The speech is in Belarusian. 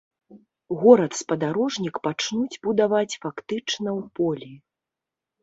Горад-спадарожнік пачнуць будаваць фактычна ў полі.